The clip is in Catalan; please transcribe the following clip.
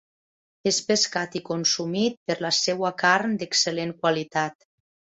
És pescat i consumit per la seua carn d'excel·lent qualitat.